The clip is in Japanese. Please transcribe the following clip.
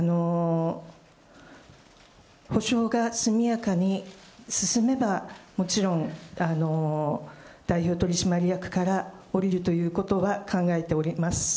補償が速やかに進めば、もちろん代表取締役から下りるということは考えております。